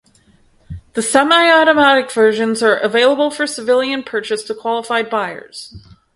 The semi-automatic versions are available for civilian purchase to qualified buyers.